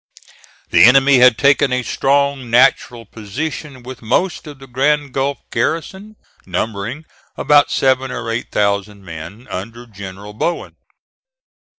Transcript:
The enemy had taken a strong natural position with most of the Grand Gulf garrison, numbering about seven or eight thousand men, under General Bowen.